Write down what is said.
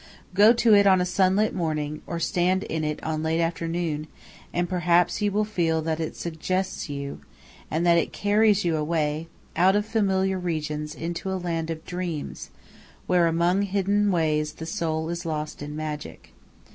Go to it on a sunlit morning, or stand in it in late afternoon, and perhaps you will feel that it "suggests" you, and that it carries you away, out of familiar regions into a land of dreams, where among hidden ways the soul is lost in magic.